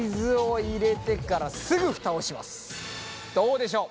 僕はどうでしょう？